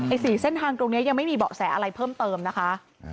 ๔เส้นทางตรงนี้ยังไม่มีเบาะแสอะไรเพิ่มเติมนะคะ